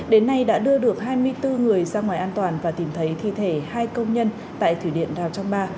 đến nay đã đưa được hai mươi bốn người ra ngoài an toàn và tìm thấy thi thể hai công nhân tại thủy điện rào trang ba